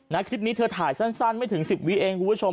คลิปนี้เธอถ่ายสั้นไม่ถึง๑๐วิเองคุณผู้ชม